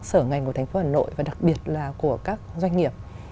sở ngành của thành phố hà nội và đặc biệt là của các doanh nghiệp